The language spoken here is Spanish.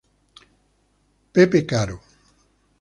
Joseph Caro.